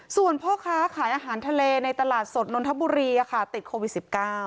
ส่วนพ่อค้าขายอาหารทะเลในตลาดสดนนทบุรีติดโควิด๑๙